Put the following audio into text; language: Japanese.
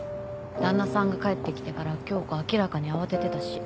旦那さんが帰ってきてから響子明らかに慌ててたし。